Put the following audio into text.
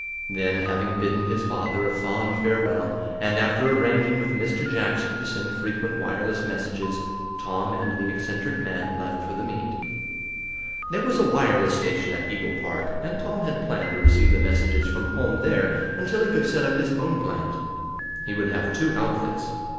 Then, having bidden his father a fond farewell, and after arranging with Mr. Jackson to send frequent wireless messages, Tom and the eccentric man left for the meet. There was a wireless station at Eagle Park, and Tom had planned to receive the messages from home there until he could set up his own plant. He would have two outfits.